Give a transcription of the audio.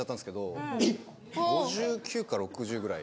５９か６０ぐらい。